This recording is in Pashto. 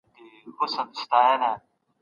غفور لیوال د څېړني پر پرتلنې ټینګار کاوه.